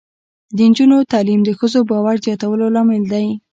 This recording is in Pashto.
د نجونو تعلیم د ښځو باور زیاتولو لامل دی.